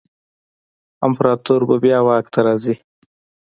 امپراتور به بیا واک ته راځي.